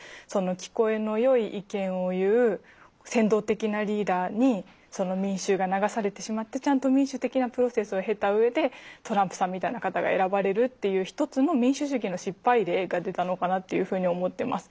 聞こえのよい意見を言う先導的なリーダーに民衆が流されてしまってちゃんと民主的なプロセスを経たうえでトランプさんみたいな方が選ばれるっていう一つの民主主義の失敗例が出たのかなっていうふうに思ってます。